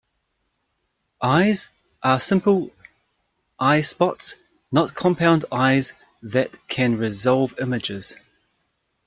Eyes are simple eyespots, not compound eyes that can resolve images.